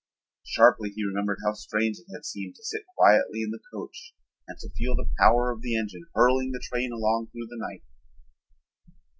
Sharply he remembered how strange it had seemed to sit quietly in the coach and to feel the power of the engine hurling the train along through the night.